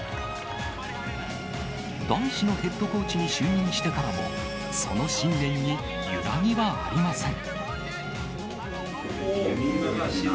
男子のヘッドコーチに就任してからも、その信念に揺らぎはありません。